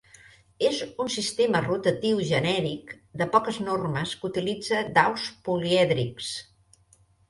És un sistema rotatiu genèric de poques normes que utilitza daus polièdrics.